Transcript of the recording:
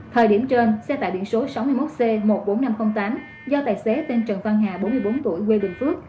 thời điểm trên xe tải biển số sáu mươi một c một mươi bốn nghìn năm trăm linh tám do tài xế tên trần văn hà bốn mươi bốn tuổi quê bình phước